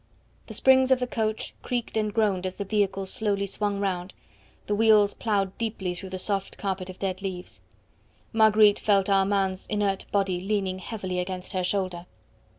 The springs of the coach creaked and groaned as the vehicle slowly swung round; the wheels ploughed deeply through the soft carpet of dead leaves. Marguerite felt Armand's inert body leaning heavily against her shoulder.